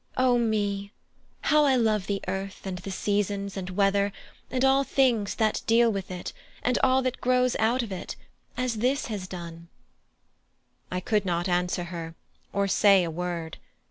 O me! How I love the earth, and the seasons, and weather, and all things that deal with it, and all that grows out of it, as this has done!" I could not answer her, or say a word.